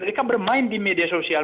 mereka bermain di media sosial